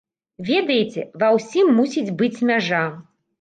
Ведаеце, ва ўсім мусіць быць мяжа.